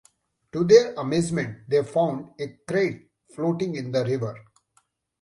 To their amazement, they found a crate floating in the river.